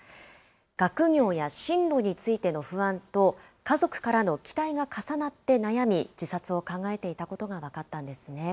学業や進路についての不安と、家族からの期待が重なって悩み、自殺を考えていたことが分かったんですね。